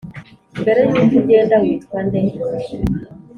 "mbere yuko ugenda; witwa nde?